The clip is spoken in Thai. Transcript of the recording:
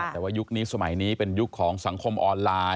แต่ว่ายุคนี้สมัยนี้เป็นยุคของสังคมออนไลน์